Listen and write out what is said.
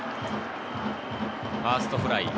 ファーストフライ。